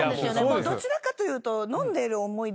どちらかというと飲んでいる思い出で。